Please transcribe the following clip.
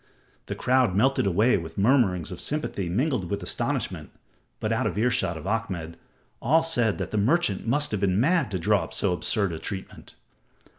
The crowd melted away with mutterings of sympathy mingled with astonishment, but out of earshot of Ahmed, all said the merchant must have been mad to draw up so absurd a testament.